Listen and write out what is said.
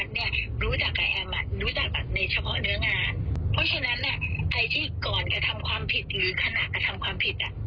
พัฒน์ไม่ได้อยู่ในวงโคจรอะไรกับเขาเลย